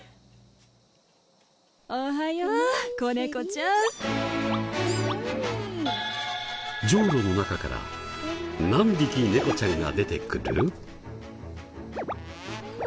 じょうろの中から何匹猫ちゃんが出てくる？